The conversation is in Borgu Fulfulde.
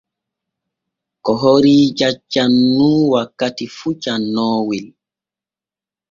Ko horii jaccan nun wakkati fu cennoowel.